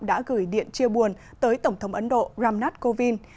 đã gửi điện chia buồn tới tổng thống ấn độ ramnath kovind